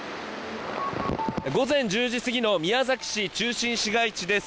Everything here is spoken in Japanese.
午前１０時過ぎの宮崎市中心市街地です。